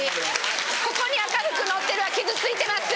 「ここに赤福のってる」は傷ついてます！